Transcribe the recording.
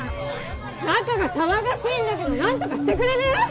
中が騒がしいんだけど何とかしてくれる？